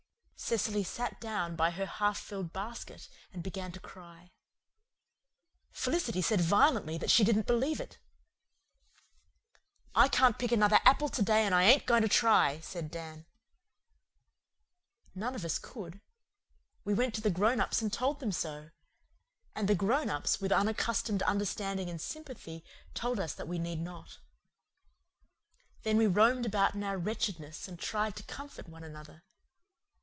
Cecily sat down by her half filled basket and began to cry. Felicity said violently that she didn't believe it. "I can't pick another apple to day and I ain't going to try," said Dan. None of us could. We went to the grown ups and told them so; and the grown ups, with unaccustomed understanding and sympathy, told us that we need not. Then we roamed about in our wretchedness and tried to comfort one another.